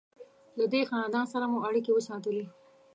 له دې خاندان سره مو اړیکې وساتلې.